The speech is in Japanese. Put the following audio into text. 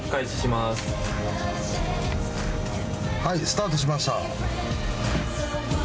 スタートしました。